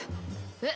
えっ！？